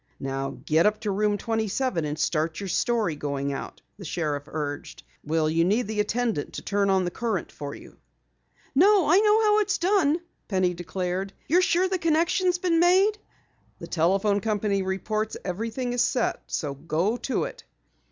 "Now get up to Room 27 and start your story going out," the sheriff urged. "Will you need the attendant to turn on the current for you?" "No, I know how it's done!" Penny declared. "You're sure the connection has been made?" "The telephone company reports everything is set. So go to it!"